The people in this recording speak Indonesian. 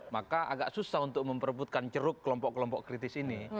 maka agak susah untuk memperebutkan ceruk kelompok kelompok kritis ini